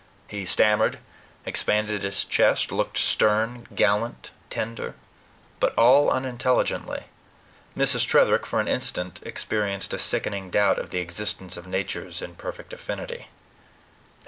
He stammered, expanded his chest, looked stern, gallant, tender, but all unintelligently. Mrs. Tretherick, for an instant, experienced a sickening doubt of the existence of natures in perfect affinity.